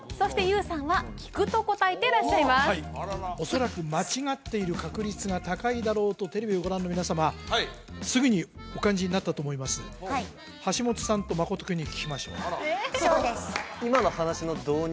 恐らく間違っている確率が高いだろうとテレビをご覧の皆様すぐにお感じになったと思います橋本さんと真君に聞きましょうそうです